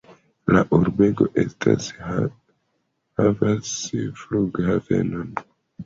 La urbego estas havas flughavenon.